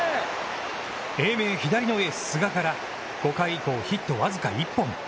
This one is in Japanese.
英明左のエース寿賀から５回以降、ヒット僅か１本。